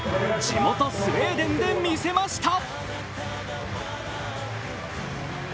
地元・スウェーデンで見せました。